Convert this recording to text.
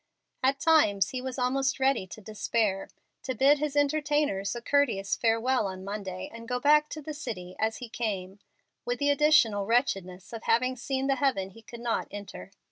At times he was almost ready to despair, to bid his entertainers a courteous farewell on Monday, and go back to the city as he came, with the additional wretchedness of having seen the heaven he could not enter.